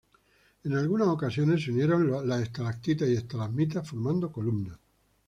En algunas ocasiones se unieron las estalactitas y estalagmitas formando columnas.